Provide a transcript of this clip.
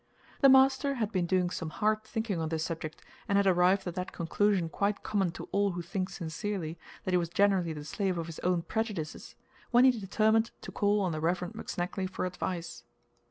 The master had been doing some hard thinking on this subject, and had arrived at that conclusion quite common to all who think sincerely, that he was generally the slave of his own prejudices, when he determined to call on the Rev. McSnagley for advice.